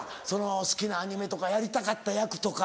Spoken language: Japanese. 好きなアニメとかやりたかった役とか。